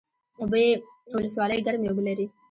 اوبې ولسوالۍ ګرمې اوبه لري؟